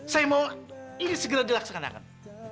saya mau ini segera dilaksanakan